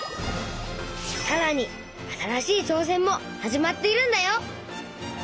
さらに新しい挑戦も始まっているんだよ。